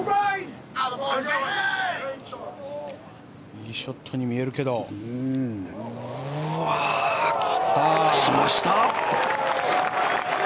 いいショットに見えるけど。来た！来ました。